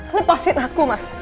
lepasin aku mas